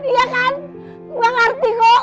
iya kan gue ngerti kok